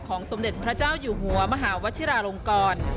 สมเด็จพระเจ้าอยู่หัวมหาวชิราลงกร